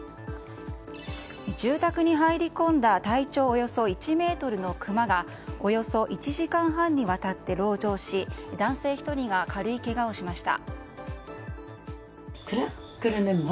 住宅に入り込んだ体長およそ１ｍのクマがおよそ１時間半にわたって籠城し男性１人が軽いけがをしました。